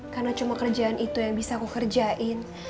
karena cuma kerjaan itu yang bisa aku kerjain